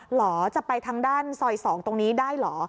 เหรอจะไปทางด้านซอย๒ตรงนี้ได้เหรอ